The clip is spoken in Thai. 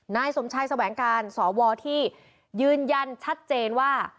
นายสมชายแสวงการสวที่ยืนยันชัดเจนว่า